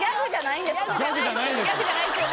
ギャグじゃないんですか？